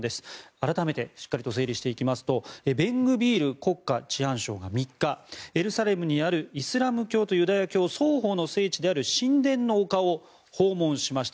改めてしっかり整理していきますとベングビール国家治安相が３日エルサレムにあるイスラム教徒ユダヤ教双方の聖地である神殿の丘を訪問しました。